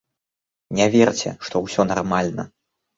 Не верце, што ўсё нармальна.